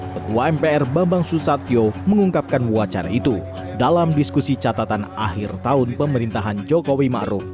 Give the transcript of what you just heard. ketua mpr bambang susatyo mengungkapkan wacana itu dalam diskusi catatan akhir tahun pemerintahan jokowi ⁇ maruf ⁇